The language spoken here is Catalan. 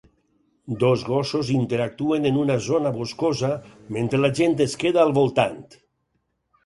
Dos gossos interactuen en una zona boscosa mentre la gent es queda al voltant.